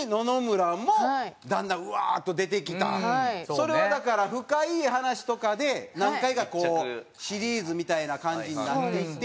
それはだから『深イイ話』とかで何回かこうシリーズみたいな感じになっていって。